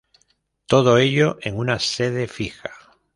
Todo ello en una sede fija.